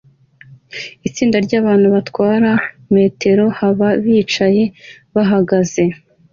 Itsinda ryabantu batwara metero haba bicaye bahagaze